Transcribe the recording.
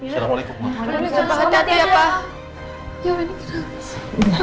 selamat siang pak